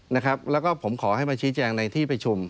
แล้วก็ผมขอให้มาชี้แจงในที่ประชุม